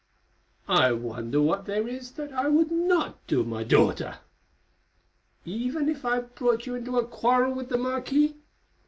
"I wonder what there is that I would not do, my daughter!" "Even if it brought you into a quarrel with the marquis?